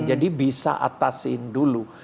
jadi bisa atasi dulu